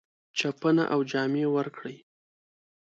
چپنه او جامې ورکړې.